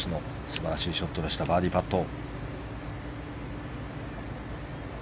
素晴らしいショットがあってバーディーパット。